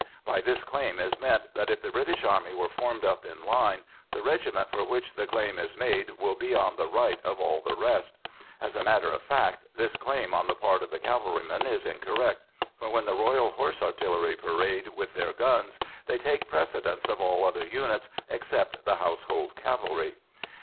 By this claim is meant that if the British Army were formed up in line, the regiment for which the claim is made will be on the right of all the rest. As a matter of fact this claim on the part of the cavalryman is incorrect, for when the Royal Horse Artillery parade with their guns, they take precedence of all other units, except the Household Cavalry.